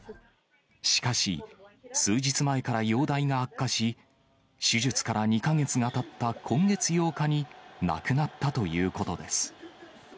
しかし、数日前から容体が悪化し、手術から２か月がたった今月８日に亡くなったということです。